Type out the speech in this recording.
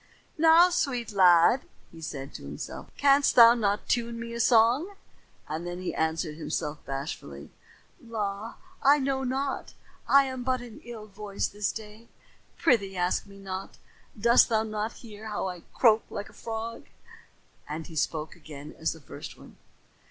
"Now, sweet lad," he said to himself, "canst thou not tune me a song?" And then he answered himself bashfully. "La, I know not. I am but in ill voice this day. Prythee, ask me not: dost thou not hear how I croak like a frog?" Then he spoke again as the first one.